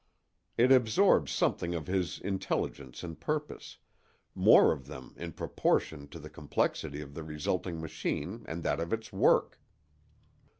It absorbs something of his intelligence and purpose—more of them in proportion to the complexity of the resulting machine and that of its work.